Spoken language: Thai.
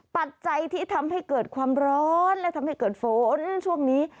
ปัจจัยที่ทำให้เกิดความร้อนและทำให้เกิดฝนช่วงนี้